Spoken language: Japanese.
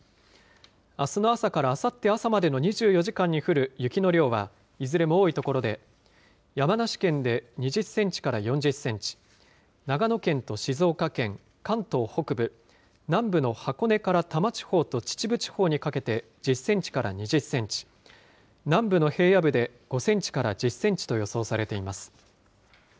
あすの朝からあさって朝までの２４時間に降る雪の量は、いずれも多い所で、山梨県で２０センチから４０センチ、長野県と静岡県、関東北部、南部の箱根から多摩地方と秩父地方にかけて、１０センチから２０センチ、南部の平野部で５センチから１０センチと予想されています。